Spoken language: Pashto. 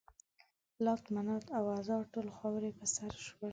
لات، منات او عزا ټول خاورې په سر شول.